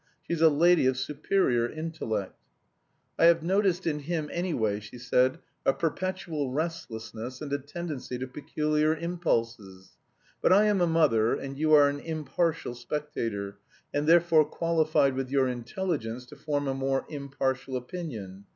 She's a lady of superior intellect!) 'I have noticed in him, anyway,' she said, 'a perpetual restlessness and a tendency to peculiar impulses. But I am a mother and you are an impartial spectator, and therefore qualified with your intelligence to form a more impartial opinion.